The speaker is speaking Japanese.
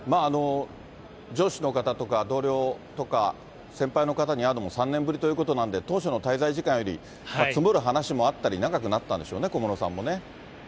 上司の方とか同僚とか、先輩の方に会うのも３年ぶりということなんで、当初の滞在時間より積もる話もあったり、長くなったんでしょうね、小室さんもね。